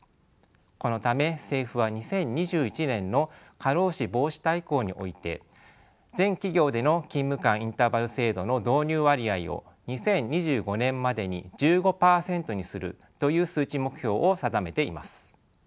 このため政府は２０２１年の過労死防止大綱において全企業での勤務間インターバル制度の導入割合を２０２５年までに１５％にするという数値目標を定めています。